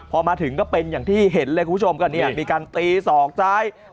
พอมาถึงก็เป็นอย่างที่เห็นเลยคุณผู้ชมก็เนี่ยมีการตีศอกซ้าย